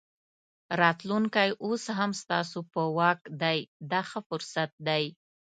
راتلونکی اوس هم ستاسو په واک دی دا ښه فرصت دی.